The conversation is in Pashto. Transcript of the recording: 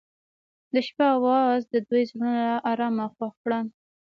د شپه اواز د دوی زړونه ارامه او خوښ کړل.